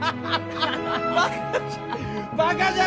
バカじゃ。